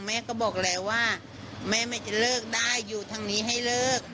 แม่ก็บอกแล้วว่าแม่จะเลิกได้อยู่ทางนี้ให้เลิก